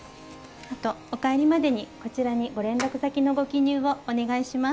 あとお帰りまでにこちらにご連絡先のご記入をお願いします。